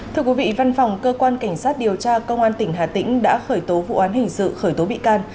thưa quý vị văn phòng cơ quan cảnh sát điều tra công an tỉnh hà tĩnh đã khởi tố vụ án hình sự khởi tố bị can